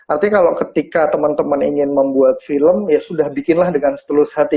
artinya kalau ketika teman teman ingin membuat film ya sudah bikinlah dengan setulus hati